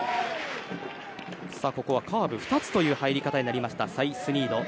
カーブ２つという入り方になりましたサイスニード。